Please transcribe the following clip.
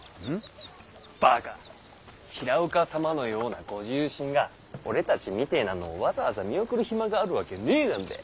バカ平岡様のようなご重臣が俺たちみてぇなのをわざわざ見送る暇があるわけねぇだんべぇ。